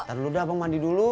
ntar lu dah bang mandi dulu